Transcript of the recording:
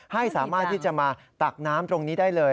ให้สามารถที่จะมาตักน้ำตรงนี้ได้เลย